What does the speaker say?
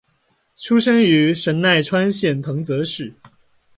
出身于神奈川县藤泽市。